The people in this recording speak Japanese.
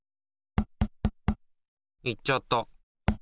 いっちゃった。